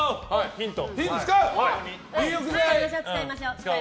ヒント。